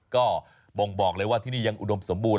ก็บ่งบอกเลยว่าที่นี่ยังอุดมสมบูรณ